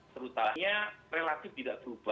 terutamanya relatif tidak berubah